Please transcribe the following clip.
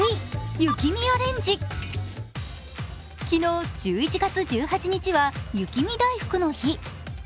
昨日、１１月１８日は雪見だいふくの日。